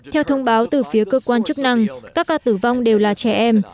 theo thông báo từ phía cơ quan chức năng các ca tử vong đều là trẻ em